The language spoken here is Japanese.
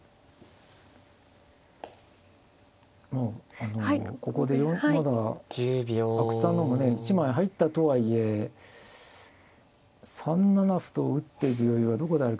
あのここでまだ阿久津さんの方もね１枚入ったとはいえ３七歩と打っていく余裕はどこであるか。